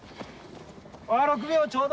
６秒ちょうど。